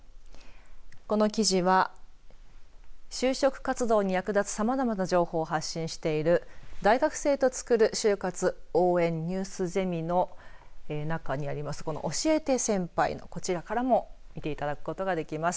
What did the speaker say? この記事は就職活動に役立つさまざまな情報を発信している大学生とつくる就活応援ニュースゼミの中にあります教えて先輩！のこちらからも見ていただくことができます。